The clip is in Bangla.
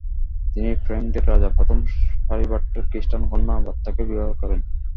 তিনি ফ্র্যাংকদের রাজা প্রথম শারিবার্টের খ্রিস্টান কন্যা বার্থাকে বিবাহ করেন।